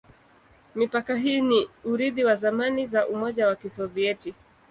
Mipaka hii ni urithi wa zamani za Umoja wa Kisovyeti.